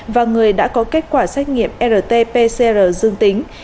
và người đã có kết quả xét nghiệm rt pcr dương tính